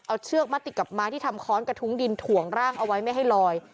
เอาเชือกมัดติดกับไม้ที่ทำค้อนกระทุ้งดินถ่วงร่างเอาไว้ไม่ให้ลอย